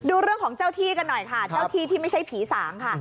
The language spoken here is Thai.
ดูเรื่องของเจ้าที่กันหน่อยค่ะเจ้าที่ที่ไม่ใช่ผีสางค่ะ